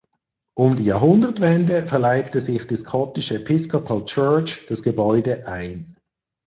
Um die Jahrhundertwende verleibte sich die Scottish Episcopal Church das Gebäude ein.